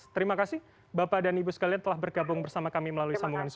terima kasih bapak dan ibu sekalian telah bergabung bersama kami melalui sambungan zoom